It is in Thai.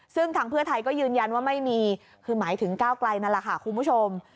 ซึ่งทางเพื่อไทยก็ยืนยันว่าไม่มีคือหมายถึงก้าวไกลนั่นแหละค่ะคุณผู้ชม